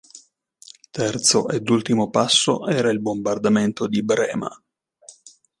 Terzo ed ultimo passo era il bombardamento di Brema.